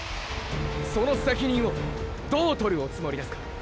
その責任をどう取るおつもりですか？